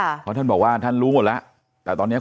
ก็เป็นสถานที่ตั้งมาเพลงกุศลศพให้กับน้องหยอดนะคะ